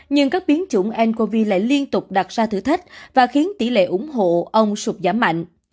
nhưng các biến chủng ncov lại liên tục đặt ra thử thách và khiến tỷ lệ ủng hộ ông sụp giảm mạnh